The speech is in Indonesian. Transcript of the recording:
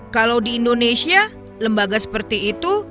kalau di indonesia lembaga seperti itu